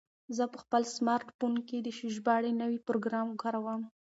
زه په خپل سمارټ فون کې د ژباړې نوی پروګرام کاروم.